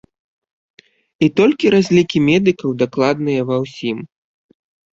І толькі разлікі медыкаў дакладныя ва ўсім.